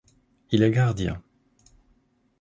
Il est gardien.